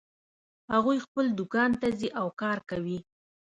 هغوی خپل دوکان ته ځي او کار کوي